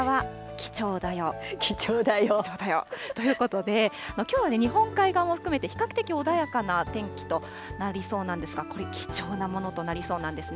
貴重だよということで、きょうは日本海側も含めて、比較的穏やかな天気となりそうなんですが、これ、貴重なものとなりそうなんですね。